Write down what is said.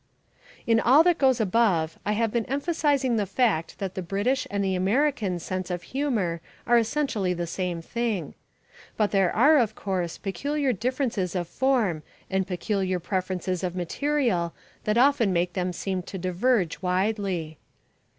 In all that goes above I have been emphasising the fact that the British and the American sense of humour are essentially the same thing. But there are, of course, peculiar differences of form and peculiar preferences of material that often make them seem to diverge widely.